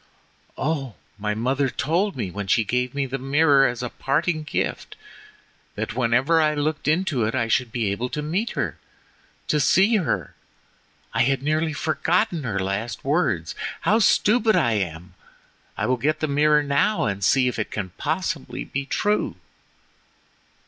"Oh! my mother told me when she gave me the mirror as a parting gift, that whenever I looked into it I should be able to meet her—to see her. I had nearly forgotten her last words—how stupid I am; I will get the mirror now and see if it can possibly be true!"